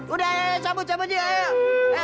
udah sabun sabun aja